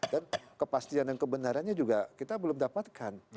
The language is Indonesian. dan kepastian dan kebenarannya juga kita belum dapatkan